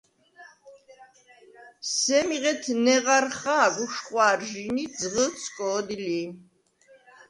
სემი ღეთ ნეღარ ხა̄გ უშხვა̄რჟი̄ნი ი ძღჷდ სკო̄დი ლი.